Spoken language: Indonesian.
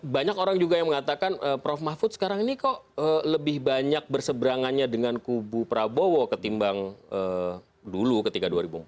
banyak orang juga yang mengatakan prof mahfud sekarang ini kok lebih banyak berseberangannya dengan kubu prabowo ketimbang dulu ketika dua ribu empat belas